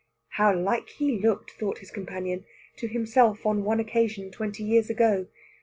How like he looked, thought his companion, to himself on one occasion twenty years ago!